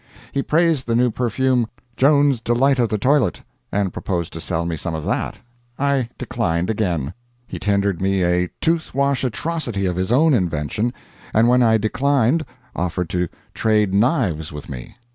He praised the new perfume, "Jones's Delight of the Toilet," and proposed to sell me some of that. I declined again. He tendered me a tooth wash atrocity of his own invention, and when I declined offered to trade knives with me.